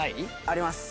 あります！